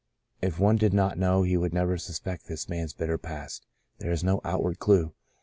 If one did not know he would never suspect this man's bitter past. There is no outward clue.